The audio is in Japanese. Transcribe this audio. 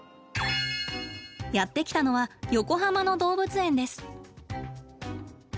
やって来たのは横浜の動物園です。